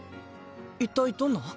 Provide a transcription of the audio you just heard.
一体どんな？